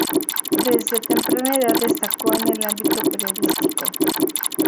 Desde temprana edad destacó en el ámbito periodístico.